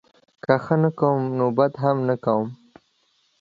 که ښه نه کوم نوبدهم نه کوم